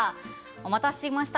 お待たせしました。